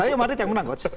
tapi madrid yang menang coach